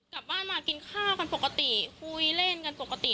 กลับบ้านมากินข้าวกันปกติคุยเล่นกันปกติ